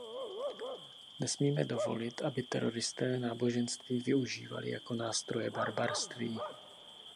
Nesmíme dovolit, aby teroristé náboženství využívali jako nástroje barbarství.